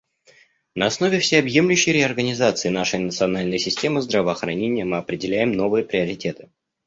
На основе всеобъемлющей реорганизации нашей национальной системы здравоохранения мы определяем новые приоритеты.